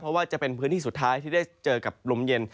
เพราะว่าจะเป็นพื้นที่สุดท้ายที่ได้เจอกับลมเย็น